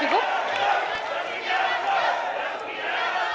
tidak masih ada waktu